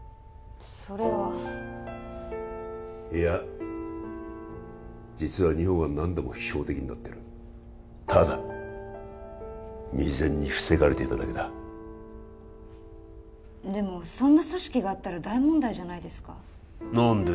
それはいや実は日本は何度も標的になってるただ未然に防がれていただけだでもそんな組織があったら大問題じゃないですか何で？